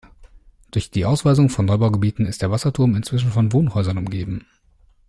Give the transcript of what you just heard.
Durch die Ausweisung von Neubaugebieten ist der Wasserturm inzwischen von Wohnhäusern umgeben.